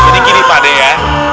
jadi gini pak d ya